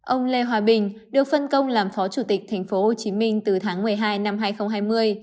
ông lê hòa bình được phân công làm phó chủ tịch tp hcm từ tháng một mươi hai năm hai nghìn hai mươi